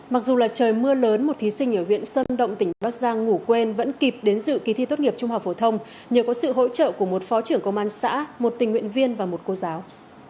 mặc dù là trời mưa lớn một thí sinh ở huyện sơn động tỉnh bắc giang ngủ quên vẫn kịp đến dự kỳ thi tốt nghiệp trung học phổ thông nhờ có sự hỗ trợ của một phó trưởng công an xã một tình nguyện viên và một cô giáo